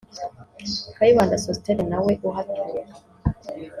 Kayibanda Sostene nawe uhatuye